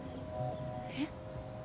えっ！？